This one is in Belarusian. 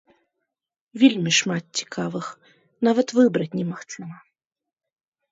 Вельмі шмат цікавых, нават выбраць немагчыма.